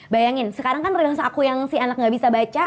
bayangin sekarang kan proses aku yang si anak gak bisa baca